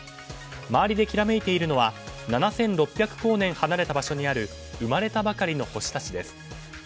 周りできらめいているのは７６００光年離れた場所にある生まれたばかりの星たちです。